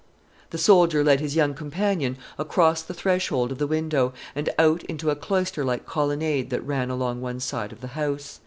The soldier led his young companion across the threshold of the window, and out into a cloister like colonnade that ran along one side of the house.